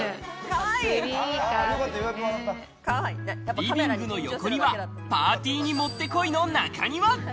リビングの横にはパーティーにもってこいの中庭。